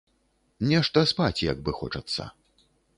Нешта спаць як бы хочацца.